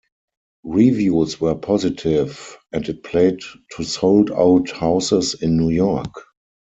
Reviews were positive, and it played to sold-out houses in New York.